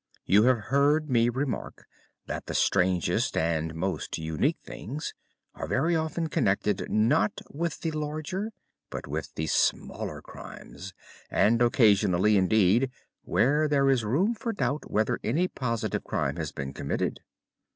You have heard me remark that the strangest and most unique things are very often connected not with the larger but with the smaller crimes, and occasionally, indeed, where there is room for doubt whether any positive crime has been committed.